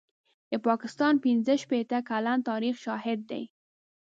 د پاکستان پنځه شپېته کلن تاریخ شاهد دی.